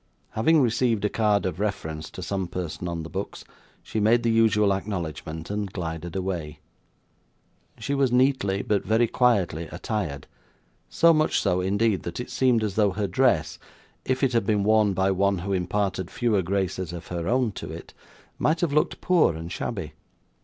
Having received a card of reference to some person on the books, she made the usual acknowledgment, and glided away. She was neatly, but very quietly attired; so much so, indeed, that it seemed as though her dress, if it had been worn by one who imparted fewer graces of her own to it, might have looked poor and shabby.